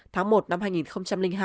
tháng một năm hai nghìn hai